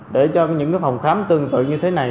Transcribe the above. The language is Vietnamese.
để cho những phòng khám tương tự như thế này